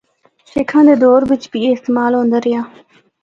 سکھاں دے دور بچ بھی اے استعمال ہوندا رہیا۔